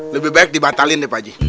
lebih baik dibatalin deh bu aji